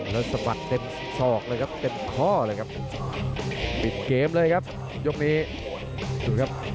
แล้วสะบัดเต็มศอกเลยครับเต็มข้อเลยครับปิดเกมเลยครับยกนี้ดูครับ